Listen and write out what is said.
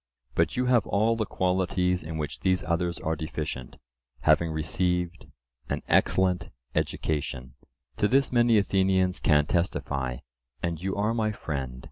But you have all the qualities in which these others are deficient, having received an excellent education; to this many Athenians can testify. And you are my friend.